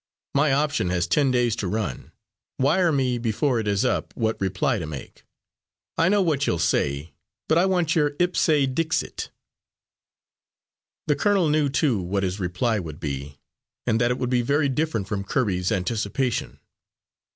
My option has ten days to run. Wire me before it is up what reply to make. I know what you'll say, but I want your 'ipse dixit.'" The colonel knew too what his reply would be, and that it would be very different from Kirby's anticipation.